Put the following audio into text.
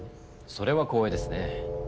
それは光栄ですね。